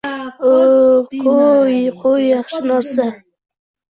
-o-o, qo‘-o‘-o‘y! Qo‘y yaxshi narsa!